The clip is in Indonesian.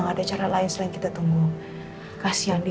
coba saja dan bosnya dariports tolol